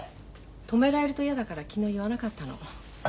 止められると嫌だから昨日言わなかったの。